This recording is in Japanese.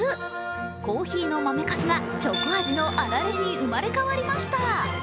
コーヒーの豆かすがチョコ味のあられに生まれ変わりました。